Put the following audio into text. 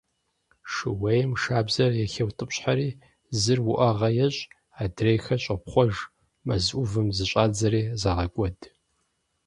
Шууейм шабзэр яхеутӀыпщхьэри зыр уӀэгъэ ещӀ, адрейхэр щӀопхъуэж, мэз Ӏувым зыщӀадзэри, загъэкӀуэд.